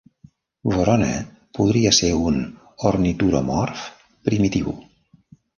"Vorona" podria ser un ornituromorf primitiu.